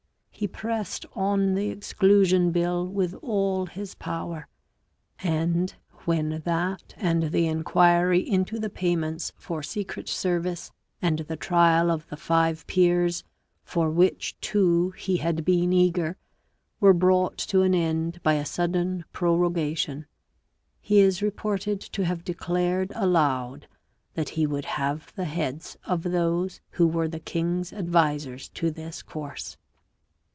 He pressed on the Exclusion Bill with all his power, and, when that and the inquiry into the payments for secret service and the trial of the five peers, for which too he had been eager, were brought to an end by a sudden prorogation, he is reported to have declared aloud that he would have the heads of those who were the king's advisers to this course.